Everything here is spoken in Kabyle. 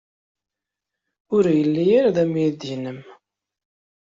Ur yelli ara d amidi-nnem?